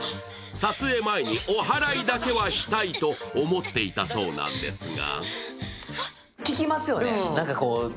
撮影前におはらいだけはしたいと思っていたそうなんですが。